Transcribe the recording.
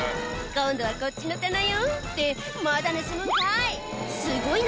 「今度はこっちの棚よ」ってまだ盗むんかい！